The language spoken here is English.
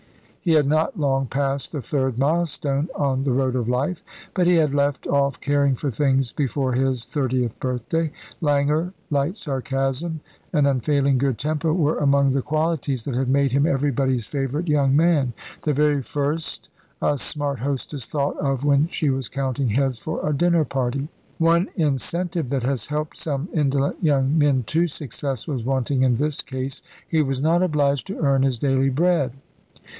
He had not long passed the third milestone on the road of life; but he had left off caring for things before his thirtieth birthday. Languor, light sarcasm, and unfailing good temper, were among the qualities that had made him everybody's favourite young man, the very first a smart hostess thought of when she was counting heads for a dinner party. One incentive that has helped some indolent young men to success was wanting in this case. He was not obliged to earn his daily bread.